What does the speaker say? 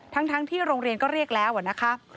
ทั้งที่โรงเรียนก็เรียกแล้วนะคะ